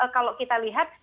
kalau kita lihat